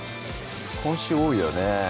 今週多いよね